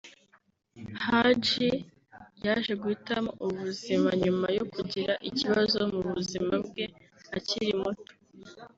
Haji yaje guhitamo ubu buzima nyuma yo kugira ikibazo mu buzima bwe akiri muto